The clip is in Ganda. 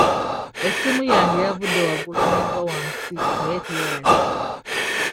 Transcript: Essimu yange yavudde waggulu n'egwa wansi naye teyayatise.